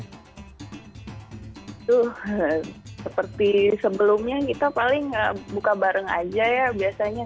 itu seperti sebelumnya kita paling buka bareng aja ya biasanya